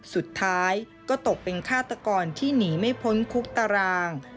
สุดท้ายก็ตกเป็นฆาตกรที่หนีไม่พ้นคุกตาราง